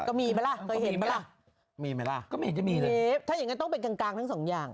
ก็มีมะล่ะเคยเห็นมะล่ะมีมะล่ะก็มีไม่เห็นจะมีเลยถ้ายังงั้นต้องเป็นกางทั้งสองอย่าง